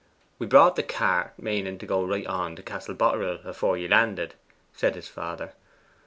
'We brought the cart, maning to go right on to Castle Boterel afore ye landed,' said his father.